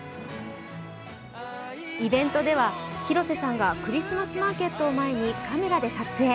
イベントでは広瀬さんがクリスマスマーケットを前にカメラで撮影。